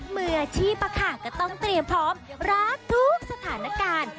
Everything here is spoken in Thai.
เมื่อที่ประขาก็ต้องเตรียมพร้อมรักทุกสถานการณ์